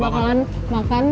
kita bakalan makan